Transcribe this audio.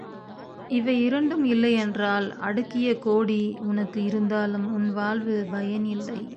இவை இரண்டும் இல்லையென்றால் அடுக்கிய கோடி உனக்கு இருந்தாலும் உன் வாழ்வு பயன் இல்லை.